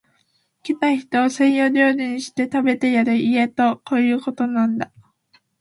来た人を西洋料理にして、食べてやる家とこういうことなんだ